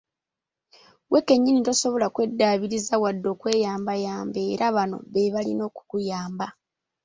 Ggwe kennyini tosobola kweddaabiriza wadde okweyambayamba era banno beebalina okukuyamba.